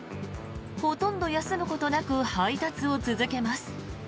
ほとんど休むことなく配達を続けます。